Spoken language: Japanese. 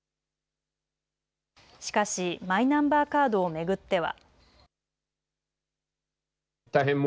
しかしマイナンバーカードを巡っては。